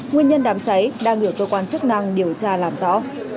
nguyên nhân đám cháy đang được cơ quan chức năng điều tra làm rõ